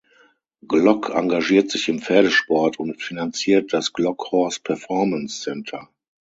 Glock engagiert sich im Pferdesport und finanziert das "Glock Horse Performance Center".